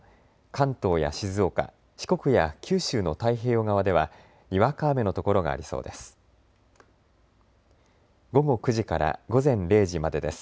関東や静岡、四国や九州の太平洋側ではにわか雨の所がありそうです。